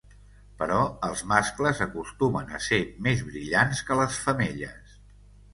Però els mascles acostumen a ser més brillants que les femelles.